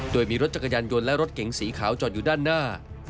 โดยมีรถจักรยานยนต์และรถเก๋งสีขาวจอดอยู่ด้านหน้า